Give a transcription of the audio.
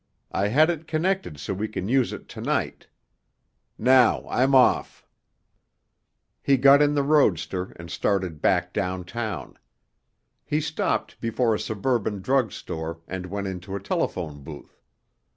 I had it connected so we can use it to night. Now I'm off!" He got in the roadster and started back downtown. He stopped before a suburban drug store and went into a telephone booth.